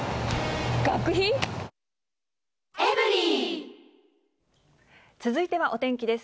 学費？続いてはお天気です。